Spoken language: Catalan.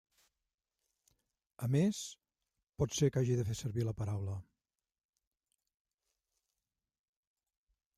A més pot ser que hagi de fer servir la paraula.